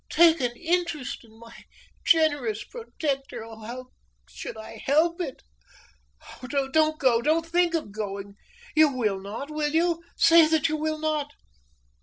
"'Take an interest' in my generous protector! How should I help it? Oh! don't go! Don't think of going. You will not will you? Say that you will not!"